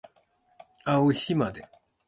あう日まで